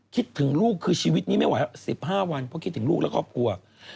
คิดถึงลูกคือชีวิตนี้ไม่ไหว๑๕วันเพราะคิดถึงลูกและครอบครัว